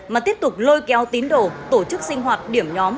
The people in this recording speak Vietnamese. mà tiếp tục lôi kéo tín đồ tổ chức sinh hoạt điểm nhóm